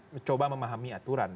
mencoba memahami aturan